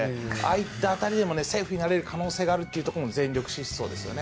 あいった当たりでもセーフになれる可能性があるというところの全力疾走ですね。